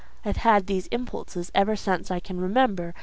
I have had these impulses ever since I can remember.